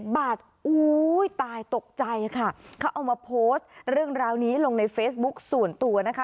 ตายตกใจค่ะเขาเอามาโพสต์เรื่องราวนี้ลงในเฟซบุ๊คส่วนตัวนะคะ